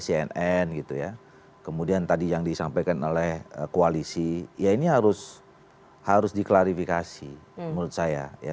cnn gitu ya kemudian tadi yang disampaikan oleh koalisi ya ini harus diklarifikasi menurut saya